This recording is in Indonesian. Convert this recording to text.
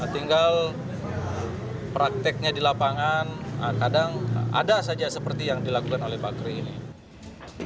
tinggal prakteknya di lapangan kadang ada saja seperti yang dilakukan oleh pak kri ini